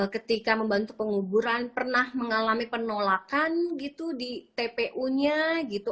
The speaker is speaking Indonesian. ketika membantu penguburan pernah mengalami penolakan gitu di tpu nya gitu